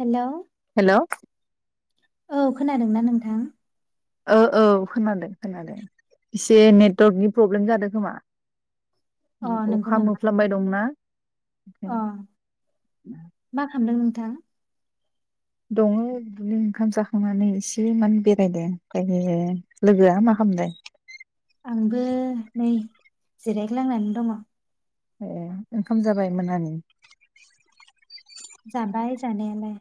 हेल' hello. खोनादोंना नोंथां? औ औ खोनादों खोनादों एसे नेटवर्कनि प्रब्लेम जादों खोमा? अ नंगौ अखा नामा मोनोफ्लामबाय दंना। अ ओं। थां। दङो बिदिनो ओंखाम जाखांनानै एसे मान बेरायदो फ्राय लोगोआ मा खालामदों? आंबो नै जिरायग्लांनानै दङ। ए ओंखाम जाबाय मोनानि? जाबाय जानायालाय।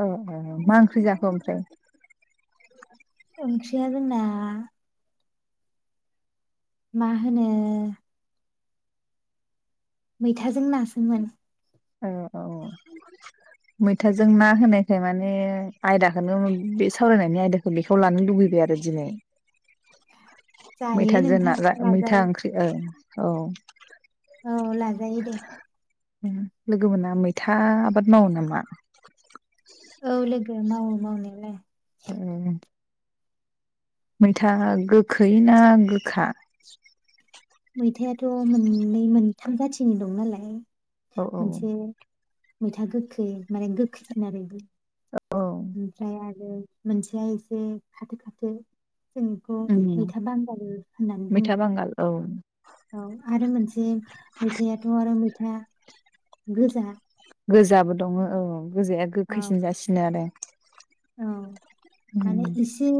औ औ मा ओंख्रि जाखो ओमफ्राय? ओंख्रिया जोंना। मा होनो? मैथाजों नासोमोन। औ औ मैथाजों ना होनायखाय माने आयदाखौनो बे सावरायनायनि आयदाखौ बेखौ लानो लुबैबाय आरो दिनै जायो नोंथां मैथाजोंनारा मैथा लाजायो ओंख्रि ओं औ औ लाजायो दे ओम लोगोमोना मैथा आबाद मावो नामा औ लोगो मावो मावनायलाय औ मैथा गोखै ना गोखा मैथायाथ' मोननै मोनथाम जाथिनि दं नालाय औ औ मोनसे मैथा गोखै माने गोखैसिन आरो बे औ ओमफ्राय आरो मोनसेया एसे खाथे खाथे जों बेखौ उम मैथा बांगालि होननानै बुङो मैथा बांगाल औ औ आरो मोनसे मैथायाथ' आरो मै गोजा गोजाबो दङ औ गोजाया औ गोखैसिन जासिनो आरो औ उम माने इसे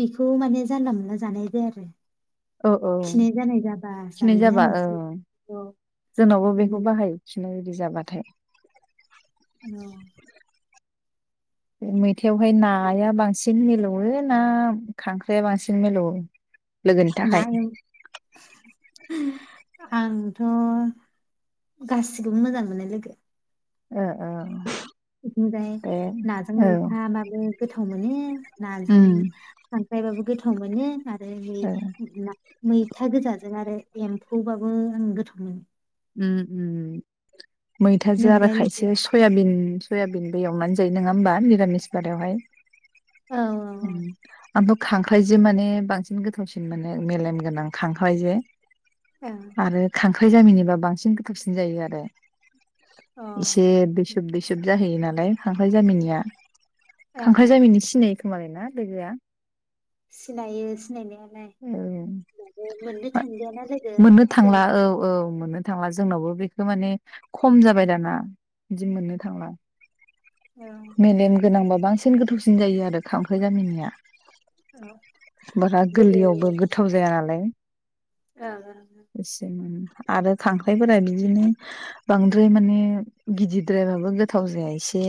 बेखौ माने जानला मोनला जानाय जाया आरो औ औ खिनाय जानाय जाबा खिनाय जायोना जाबा औ मोनसे औ जोंनावबो बे बेखौ मै- बाहायो खिनाय [unintelligible] जाबाथाय औ मैथायावहाय नाया बांसिन मिलौ ना खांख्राइया बांसिन मिलौओ लोगोनि ना थाखाय एव- आंथ' गासिखौबो मोजां मोननाय लोगो ओ ओ दे नाजों औ मैथाबाबो गोथाव मोनो नाजों उम खांख्रायबाबो गोथा थाव मोनो आरो औ मैथा गोजाजों आरो एम्फौबाबो आं गोथाव मोनो ओम ओम मैथाजों आरो नोंलाय लोगो खायसे सयाबिन सयाबिनबो एवनानै जायो नङा होनोमबा निरामिस बारायावहाय औ ओम आंथ' खांख्राइजों माने बांसिन गोथावसिन मानो मेलेम गोनां खांख्राइजोें औ आरो खां [unintelligible] बांसिन गोथावसिन जायो आरो ओं इसे दैसोब दैसोब जाहैयो नालाय खांख्राय जामिनिया अ ओं खांख्राइ ओं जामिनि सिनाय [unintelligible] ना लोगोआ सिनायो सिनायनाया औ थांलियाना लोगो मोननो जों थांला औ औ मोननो थांला जोंनावबो बेखौ माने खम जाबाय दाना बिदि मोननो थांला औ मेलेम गोनांबा बांसिन गोथावसिन जायो आरो खांख्राइ जामिनिया औ बारा गोदो गोरलैआवबो गोथाव जायो। जानालाय। ओं ओ आरो खांख्राइफोरा बिदिनो बांद्राय माने गिदिरद्रायबाबो गोथाव जाया एसे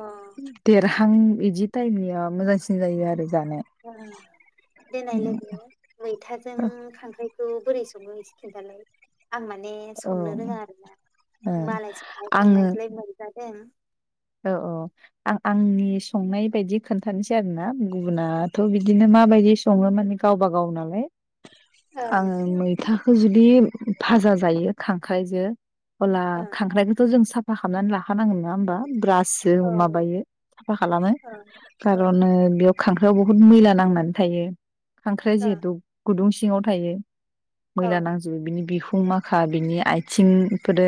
ओं देर थां बिदि टाइमनिया मोजांसिन जायो आरो जानो ओं दोननाय लोगो मैथाजों खांख्राइ खौ बोरै संङो एसे खिनथालाय आं माने औ संनो रोङा आरोना मालाय संनाय आङो खावनायखौलाय मोनजादों। औ औ आं आंनि संनाय बायदि खोन्थानोसै आरोना गुबुनाथ' बिदिनो माबायदि सङो माने गावबा गाव नालाय ओं आङो मैथा जुदि भाजा जायो खांख्राइजो अब्ला ओं खांख्रखौथ' जों सा फा खामनानै लाखानांगोन ना होमबा। [unintelligible] औ सो मायो साफा खालामो औ ओं खारन ओं ओ बेयाव खांख्राइआव बुहुत मैला नांनानै थायो। खांख्राया औ जिहेथु गुदुं सिङाव थायो। मैला ओं नांजोबो बिनि बिखुं फुं माखा बिनि आइथिंफोरो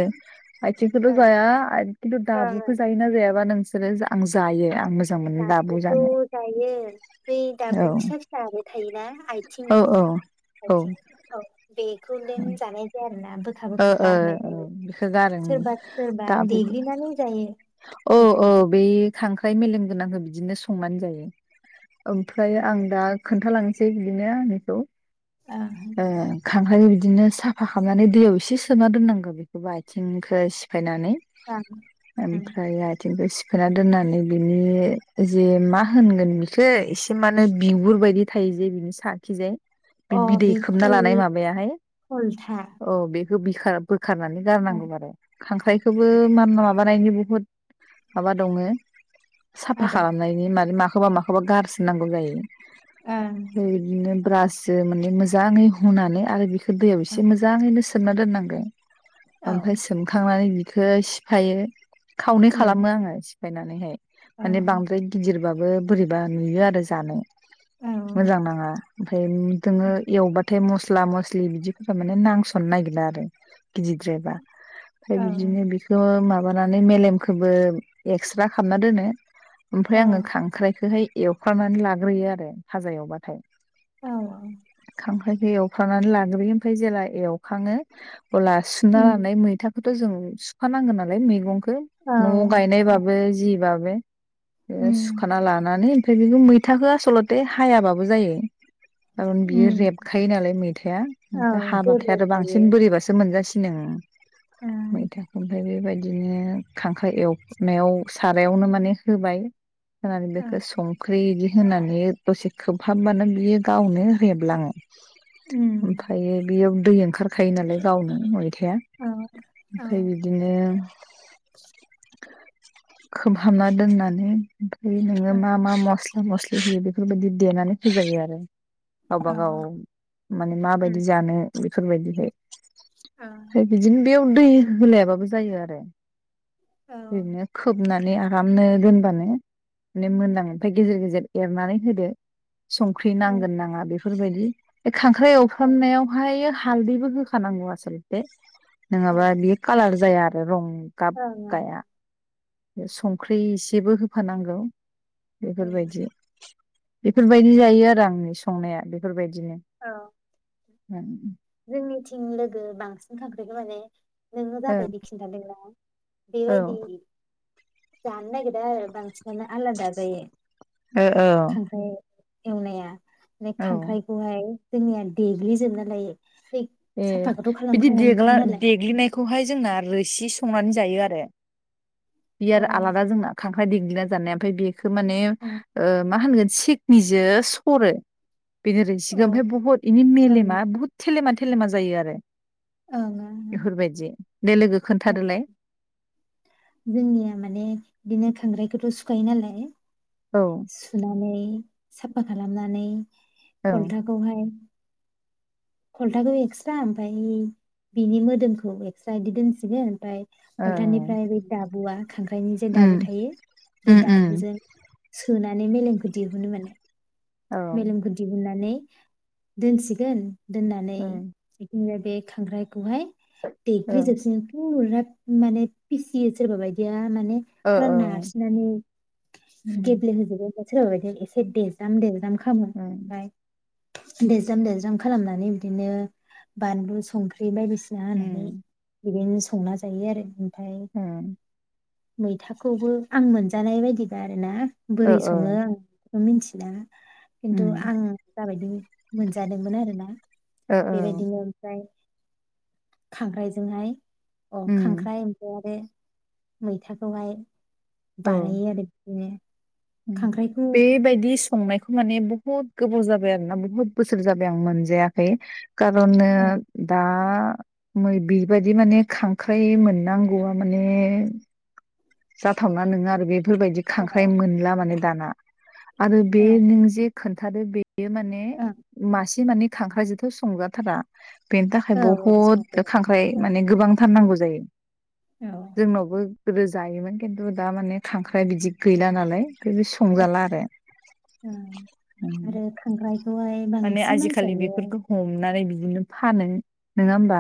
आइथिंखोथ ओं जाया खिन्थु दाबु ओं खौ जायोना जायाबा नों बिसोरो आं जायो आं मोजां मोनो दाबु दाबुखौ जानो जायो बै औ दाबु फिसा फिसाबो थायोना आइथिं औ औ ओ आइथिं औ बेग खौे देन जानाय जाया आरो ना ओ ओ बेखौ गारोनो सोरबा सोरबा दाबुखो देग्लिनानै जायो औ औ बेखौबो बे खांख्राइ मेलमगोनां आंबो बिदिनो संनानै जायो ओमफ्राय आं दा खोन्थालांनो सै बिदिनो ओं [unintelligible] ए खांख्राइ बिदिनो साफा खालामनानै दैयाव एसे सोना दोननांगौ बेखौबो आथिंखो सिफायनानै ओं उम ओमफ्राय आथिंखौ सि खोना दोननानै बिनि जे मा होनगोन बिखो एसे माने बिगुर बायदि थायो जे बिनि साखिजाय अ बिदै बे खोबना खल लानाय माबायाहाय खलथा औ बे बिखार बो खारनानै ओ गारनांगौ आरो खांख्राइखौबो मा माबानायनि बहुद माबा दङो साफा आदब खालामनायनि माने माखौ माखौबा माखौबा गारसोनांगौ जायो ओं बिनो ब्रासो माने मोजाङै हुनानै आरो बिखो दैयाव इसे मोजाङैनो सोमना दोन नांगो औ ओमफाय सोमखांनानै बिदि बेखो सिफायो खावनै उम खालामो आङो फायनानैहाय औ माने बांद्राय गिदिर बोरैबाबो बोरैबा नुयो आरो जानो औ मोजां नाङा ओम दोङो एवबाथाय मस स्ला मस्लि बिदिफोरा माने नांस नो नागिरला आरो गिदिरद्रायबा। फा औ बिदिनो बिखौ मा बानानै मेलेमखोबो एक्स्रा खामना दोनो। औ ओमफाय आङो खांख्राइखोहाय एवखानानै लाग्रोयो आरो भाजा एवबाथाय। औ औ खांख्रायखौ एवफ्रांनानै लाग्रोयो ओमफाय जेला एव खाङो अबोला सुना उम लानाय मैथा खौथ' जों सुखानांगोन नालाय मैगं खो औ न'आव औ गायनायबाबो जि बा बो बे उम सुखाना लानानै [unintelligible] मैथाखो आसल'थे हायाबाबो जायो। ओं बियो उम रेबखायो नालाय मैथाया औ ओमफ्राय हाबा थाय आरो गेब्लेखायो बांसिन बोरैबासो मोनजासि नो मैथाखौ [unintelligible] बेबायदिनो खांख्राइ एवनायाव सारायावनो माने होबाय। होनानै बेखौ संख्रि इदि होनानै दसे खोबहाब बानो बियो गावनो रेबलाङो। ओमफायो बियाव दै ओंखारखायो नालाय गावनो [unintelligible] थाया ओमफाय बिदिनो खोबहाबना दोननानै ओमफाय नोंनो मा मा मस मस्लि होयो बेफोरबायदि देनानै होजायो आरो गावबा गाव माने माबायदि जानो बेफोरबायदिहाय। है बिदिनो बेव दै होलायाबाबो जायो आरो ओरैनो खोबना माने आरामनो दोनबानो माने मोनां ओमफ्राय गेजेर गेजेर एरनानै होदो। संख्रि नांगोन नाङा बे फोर बायदि खांख्राइ एवफ्रामनायाव ओमफ्रायो हालदैबो होखानांगौ आसलथे। नङाबा बियो कालार जाया आ रं गाब गाया। संख्रि इसेबो होफानांगौ बेफोरबायदि। बेफोरबायदि जायो आरो आंनि संनाया बेफोरबाय दिनो। ओं। जोंनिथिं लोगो बांसिन खांख्राखो माने नोङो औ जाबायदि खिन्थादोंना बेबायदि जानो नागिदा आरो बां आलादा जायो। औ खांख्राय इवनाया। ने औ खांख्राइखौहाय जोंनिया देग्लि जोबना लायो बै ए साफाखौथ' बिदि खालामखायाखा देग्ला नालाय देग्लिनायखौहाय जोंना रोसि संनानै जायो आरो। बि औ आरो आलादा जोंना खां फ्राय दिग्लिना जानाय ओमफाय बि खो माने ओ औ मा होनगोन थिकनिजो सरो बेनि रोसिखो औ ओमफाया बहुत इनि ओं ओं मेलेमा बहुत थेलेमाथो थेलेमा जायो आरो ओं एफोरबायदि। दे लोगो ओं खोन्थादोलाय। जोंनिया माने बिदिनो खांख्रायखौथ सुखायो नालाय औ सुनानै साफा खालामनानै औ खलथाखौहाय खलथाखौ एक्सट्रा ओमफाय बिनि मोदोमखौ एक्सट्रा इदि दोनसिगोन ओमफाय औ खलथानिनिफ्राय बे दाबुआ खांख्राइनि जे दाबु उम थायो बे उम उम दाबुजों सोनाय माने मेलेमखौ दिहुनो माने औ मेलेमखौ दिहुनानै दोनसिगोन दोननानै उम बिदिनो। बे खांख्रायखौहाय देग्लि ओं जोबसिगोन फुरा माने फिसियो सोरबा बादिया। ना माने ओ फुरा ओ नारसिनानै उम गेब्लेहोजोबबाय सोरबाबायदिया एसे देज्राम देज्राम खामोन ओं बाय देज्राम देज्राम खालामनानै बिदिनो बानलु संख्रि बायदिसिना सिना होनानै उम बिदिनो संना जायो आरो। ओमफ्राय उम। मैथाखौबो आं मोनजानाय बायदिबा आरो ना। ओ बोरै ओ सङो आं। मोनथिला! खिन्थु उम आं जाबायदि मोनजादोंमोन आरो ना। ओ औ बेबायदिनो ओमफ्राय खांख्राइजोंहाय अह उम खांख्राइ ओमफ्राय आरो। मैथाखौहाय- औ बानायो आरो। [inaudible] खांख्राइखौ बेबायदि संनायखौ माने बुहुत गोबाव जाबाय आरो ना बुहुत बोसोर जाबाय आं मोनजायाखै कारनो दा औ दा मै-बेबायदि माने खांख्राइ मोननांगौआ माने जाथावना नोङा आरो बे फोरबायदि औ खांख्राइ मोनला माने दाना आरो बे औ नोंजे खोन्थादो बे यो माने औ मा से माने खांख्राइजोथ' संजाथारा बेनि थाखाय औ औ बहुद संख्रि खांख्राइ औ माने गोबांथार नांगौ जायो औ जोंनावबो गोदो जायोमोन खिन्थु दा माने खांख्राइ बिदि गैला नालाय संजाला आरो ओं ओम आरो खांख्राइखौहाय माने बांसिन आजिखालि मानसियानो औ बेफोरखौ हमनानै बि दिनो फानो नोङा होमबा?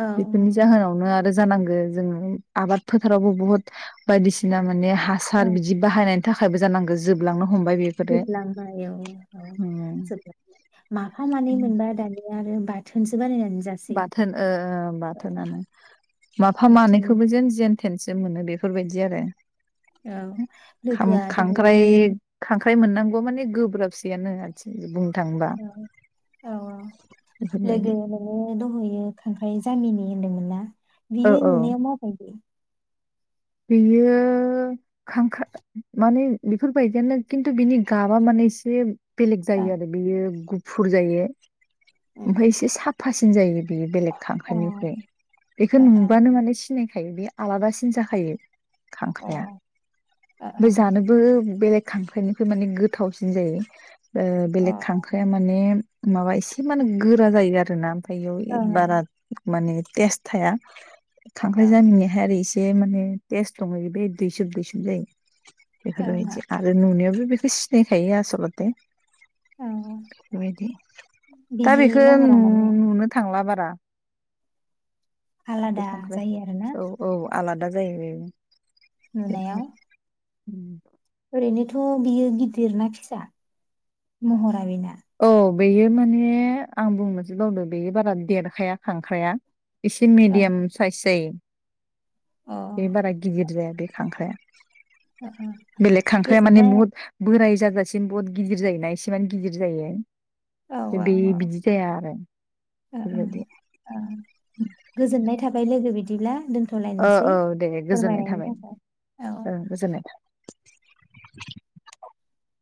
औ बेफोरनि जाहोनावनो आरो जानांगो जोङो आबाद फोथारावबो बुहुत बायदिसिना माने औ हासार बिदि बाहायनायनि थाखा यबो जानांगो जोबलांनो हमबाय बेफोरो जोबलांबाय औ औ उम जोबलांबाय माफा मानै मोनबा दानिया आरो बाथोनसो बानायना बाथोन ओ ओ बाथोनानो माफा बाथोन मानैखौबो जेन जेन थेनसो मोनो बेफोरबायदि आरो औ लोगोआ दहयो ख्राय मोननांगौआ माने गोब्राबसैयानो आथिं बुं औ औ औ बेफोरबायदि लोगो नोङो दहय यो खांख्राइ जामिनि होनदोंमोनना औ बियो औ नुनायाव मा बायदि बेयो खांखा माने बेफोरबायदियानो खिन्थु बिनि गाबा माने एसे बेलेग ओ जायो आरो बेयो गुफुर जायो। ओमफ्राय इसे सा फासिन जायो बेयो बेलेग ओ खांख्राइनिफ्राय अ बेखौ अ नुबानो माने सिनाय थायो बे आलादासिन जाखायो खांख्राया अ ओमफाय जानोबो बेलेग खांख्राइनिफ्राय माने गोथावसिन जायो ओ बेलेग खांख्राया माने माबा एसे मानो गोरा जायो आरो ना ओमफाय इयान इ बारा ओं माने टेस्ट थाया खांख्राय ओं जामिनिहाय आरो इसे बे माने टेस्ट दङ बे दुइसुब दुइसुब जायो ओं बेफोर बादि बेखो सिनायखायो आसलते ओं बेबायदि दा बिनि बेखौ महरा नु माने नुनो थांला बार ओ आलादा जायो आरो ना? औ औ आलादा जाहैबाय ब नुनायाव उम ओरैनोथ' बियो गिदिर ना फिसा महरा बेना? औ बेयो माने आं बुंनोसो बावदो बेयो बारा देरखाया खांख्राइया एसे ओ मिडियाम साइज जायो अ बे बारा गिदिर जाया बे खांख्राइया ओ ओ बेलेग खांख्राइया माने गोजोननाय बुहुत बोराय जाजासिम बुहुत गिदिर जायोना इसेमान गिदिर जायो औ बे औ बिदि जाया आरो ओ ओ बेबायदि ओ गोजोननाय थाबाय थाबाय लोगो बिदिब्ला दोन औ औ दे गोजोननाय थाखाय औ थाबाय [unintelligible]